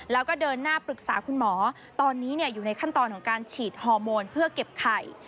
แล้วก็เดินหน้าปรึกษาคุณหมอตอนนี้อยู่ในขั้นตอนของการฉีดฮอร์โมนเพื่อเก็บไข่